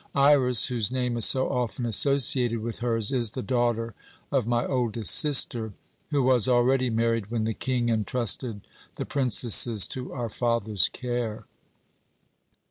Iras, whose name is so often associated with hers, is the daughter of my oldest sister, who was already married when the King entrusted the princesses to our father's care.